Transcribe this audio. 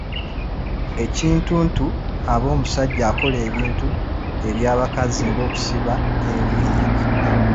Ekintuntu aba musajja akola ebintu eby'ekikazi nga okusiba enviiri.